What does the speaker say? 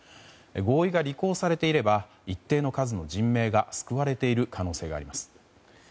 合意が履行されていれば一定の数の人命が救われている可能性があります。